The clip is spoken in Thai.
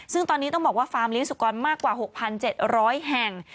ซึ่งตอนนี้ต้องบอกว่าฟาร์มเลี้ยสุกรมากกว่า๖๗๐๐แห่ง